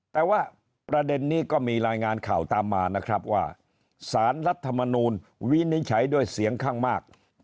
แต่ว่าประเด็นนี้ก็มีรายงานข่าวตามมานะครับว่าสารรัฐมนูลวินิจฉัยด้วยเสียงข้างมาก